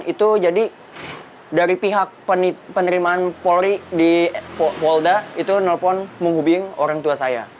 itu jadi dari pihak penerimaan polri di polda itu nelpon menghubung orang tua saya